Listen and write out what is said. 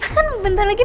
bapak juga harus ikut